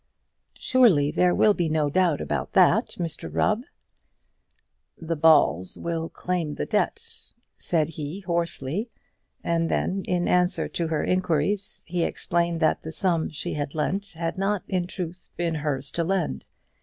"Surely there will be no doubt about that, Mr Rubb." "The Balls will claim the debt," said he hoarsely; and then, in answer to her inquiries, he explained that the sum she had lent had not, in truth, been hers to lend.